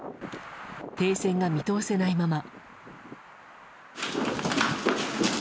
停戦が見通せないまま。